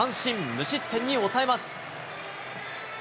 無失点に抑えます。